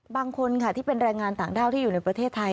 บางคนค่ะที่เป็นแรงงานต่างด้าวที่อยู่ในประเทศไทย